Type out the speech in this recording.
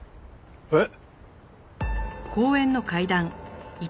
えっ？